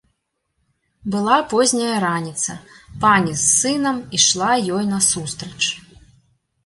Была позняя раніца, пані з сынам ішла ёй насустрач.